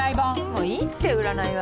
もういいって占いは。